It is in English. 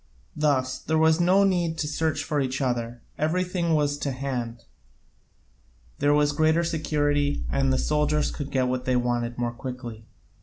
Thus there was no need to search for each other, everything was to hand, there was greater security, and the soldiers could get what they wanted more quickly.